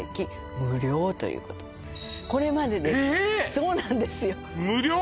そうなんですよ無料！？